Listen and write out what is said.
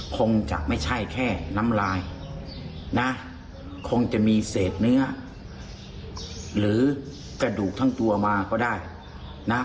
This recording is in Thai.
คงจะไม่ใช่แค่น้ำลายนะคงจะมีเศษเนื้อหรือกระดูกทั้งตัวมาก็ได้นะ